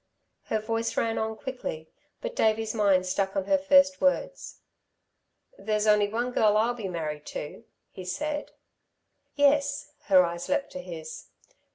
Her voice ran on quickly, but Davey's mind stuck on her first words. "There's only one girl I'll be married to," he said. "Yes." Her eyes leapt to his.